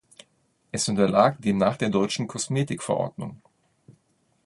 Es unterlag demnach der deutschen Kosmetik-Verordnung.